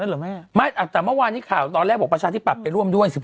๔๐เลยเหรอครับจุดหน่อย